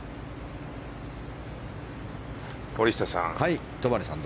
森下さん